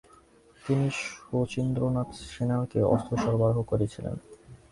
তিনি শচীন্দ্রনাথ সেনালকে অস্ত্র সরবরাহ করেছিলেন।